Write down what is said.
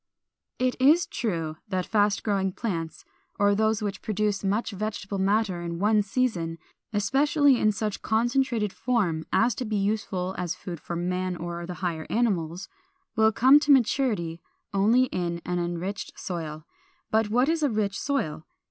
447. It is true that fast growing plants, or those which produce much vegetable matter in one season (especially in such concentrated form as to be useful as food for man or the higher animals) will come to maturity only in an enriched soil. But what is a rich soil?